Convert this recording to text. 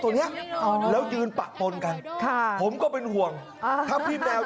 ตัวเนี้ยอ๋อแล้วยืนปะปนกันค่ะผมก็เป็นห่วงอ่าถ้าพี่แมว